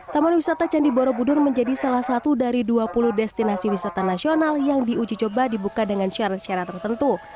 taman wisata candi borobudur menjadi salah satu dari dua puluh destinasi wisata nasional yang diuji coba dibuka dengan syarat syarat tertentu